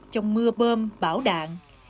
trong mưa bơm bão đạn